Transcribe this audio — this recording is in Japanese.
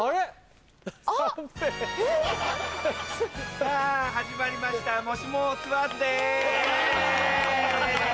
さぁ始まりました『もしもツアーズ』です。